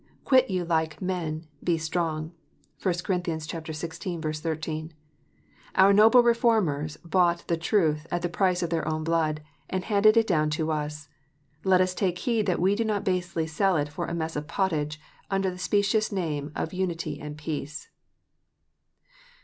Quit you like men : be strong." (1 Cor. xvi. 13.) Our noble Reformers bought the truth at the price of their own blood, and handed it down to us. Let us take heed that we do not basely sell it for a mess of pottage, under the specious names of unity and peace.